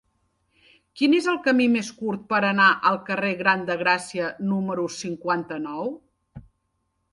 Quin és el camí més curt per anar al carrer Gran de Gràcia número cinquanta-nou?